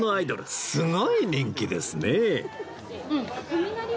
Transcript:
すごい人気ですね！